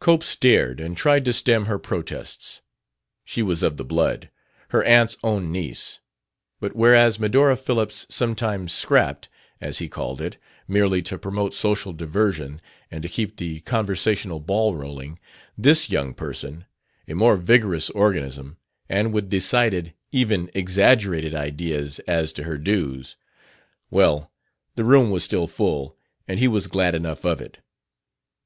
Cope stared and tried to stem her protests. She was of the blood, her aunt's own niece. But whereas Medora Phillips sometimes "scrapped," as he called it, merely to promote social diversion and to keep the conversational ball a rolling, this young person, a more vigorous organism, and with decided, even exaggerated ideas as to her dues... Well, the room was still full, and he was glad enough of it.